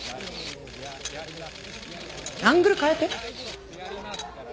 アングル変えて。